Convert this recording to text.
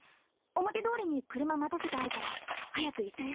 表通りに車待たせてあるから早く医者へ。